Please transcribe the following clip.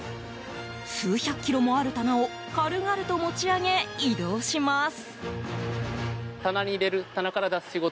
数百キロもある棚を軽々と持ち上げ移動します。